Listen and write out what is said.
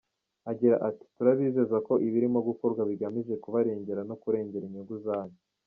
Agira ati “Turabizeza ko ibirimo gukorwa bigamije kubarengera no kurengera inyungu zabo.